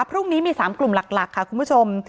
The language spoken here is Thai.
พรุ่งนี้มี๓กลุ่มหลักค่ะคุณผู้ชม